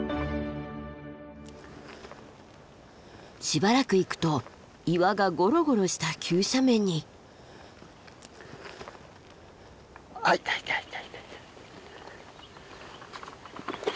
しばらく行くと岩がゴロゴロした急斜面に。あっいたいたいた。